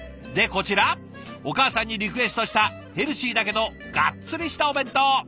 でこちらお母さんにリクエストしたヘルシーだけどがっつりしたお弁当。